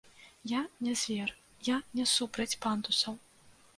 Я не звер, я не супраць пандусаў.